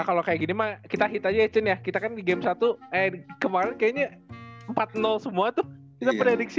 kalau kayak gini mah kita hit aja ecun ya kita kan di game satu eh kemarin kayaknya empat semua tuh kita prediksi